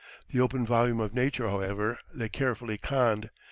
The open volume of nature, however, they carefully conned.